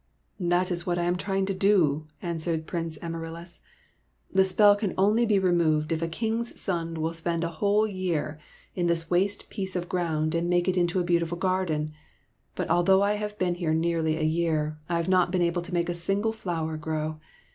" That is what I am trying to do," answered Prince Amaryllis. " The spell can only be re moved if a king's son will spend a whole year in this waste piece of ground and make it into a beautiful garden. But although I have been here nearly a year, I have not been able to make a single flower grow.